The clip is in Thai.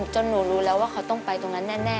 จนหนูรู้แล้วว่าเขาต้องไปตรงนั้นแน่